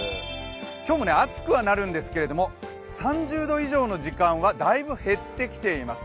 今日も暑くはなるんですけれども、３０度以上の時間はだいぶ減ってきています。